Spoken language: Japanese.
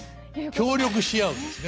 協力し合うんですね